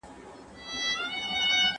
¬ خداى وايي ته حرکت کوه، زه به برکت کوم.